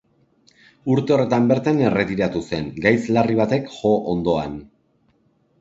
Urte horretan bertan erretiratu zen, gaitz larri batek jo ondoan.